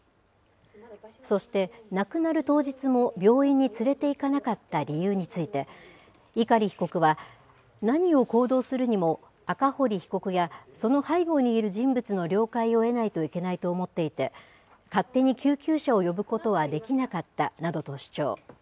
そして、亡くなる当日も病院に連れていかなかった理由について、碇被告は、何を行動するにも、赤堀被告やその背後にいる人物の了解を得ないといけないと思っていて、勝手に救急車を呼ぶことはできなかったなどと主張。